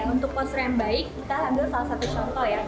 untuk postur yang baik kita ambil salah satu contoh ya